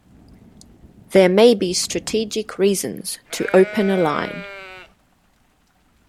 There may be strategic reasons to open a line.